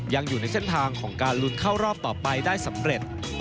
ยังอยู่ในเส้นทางของการลุ้นเข้ารอบต่อไปได้สำเร็จ